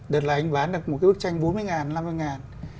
đợt là anh bán được một cái bức tranh bốn mươi năm mươi ngàn